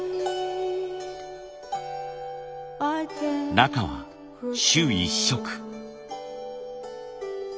中は朱一色。